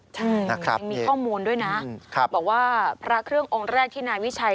ใช่ยังมีข้อมูลด้วยนะบอกว่าพระเครื่ององค์แรกที่นายวิชัย